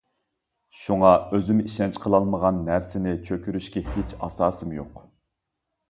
شۇڭا ئۆزۈم ئىشەنچ قىلالمىغان نەرسىنى چۆكۈرۈشكە ھېچ ئاساسىم يوق.